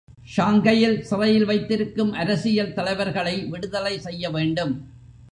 ஷாங்கையில் சிறையில் வைத்திருக்கும் அரசியல் தலைவர்களை விடுதலை செய்யவேண்டும்.